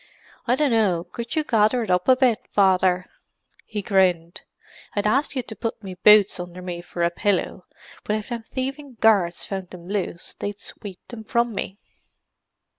"I dunno could you gather it up a bit, Father." He grinned. "I'd ask you to put me boots under me for a pillow, but if them thieving guards found them loose, they'd shweep them from me."